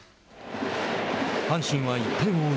阪神は１点を追う